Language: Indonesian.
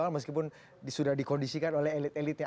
meskipun sudah dikondisikan oleh elit elitnya